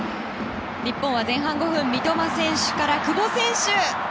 日本は前半５分三笘選手から久保選手！